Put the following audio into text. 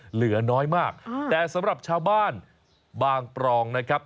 เหลือน้อยมากแต่สำหรับชาวบ้านบางปรองนะครับ